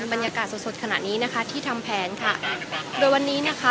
บรรยากาศสดสดขณะนี้นะคะที่ทำแผนค่ะโดยวันนี้นะคะ